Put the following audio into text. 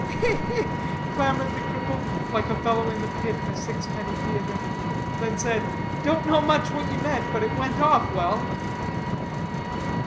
"Hi, hi!" clamored the cripple, like a fellow in the pit of a sixpenny theatre, then said, "don't know much what you meant, but it went off well."